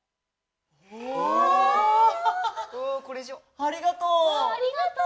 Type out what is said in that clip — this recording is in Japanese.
ありがとう。